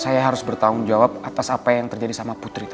saya harus bertanggung jawab atas apa yang terjadi sama putri